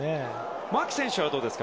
牧選手はどうですか？